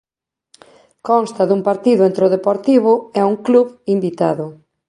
Consta dun partido entre o Deportivo e un club invitado.